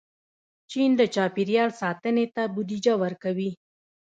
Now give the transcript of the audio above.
چین د چاپېریال ساتنې ته بودیجه ورکوي.